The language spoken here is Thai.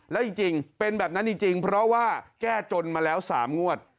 แล้วจริงเป็นแบบนั้นจริงเพราะว่าแก้จนมาแล้ว๓งวด